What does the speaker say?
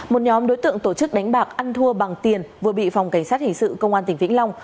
một nhóm đối tượng tổ chức đánh bạc ăn thua bằng tiền vừa bị phòng cảnh sát hình sự công an tỉnh vĩnh long